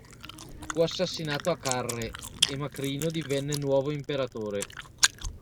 Fu assassinato a Carre, e Macrino divenne nuovo imperatore.